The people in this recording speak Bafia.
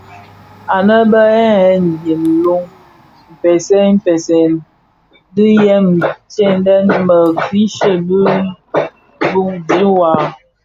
Anë bé ghèn ghèn dièm iloh mpeziyen dhiyèm ntëghèn mikrighe dhi duwa.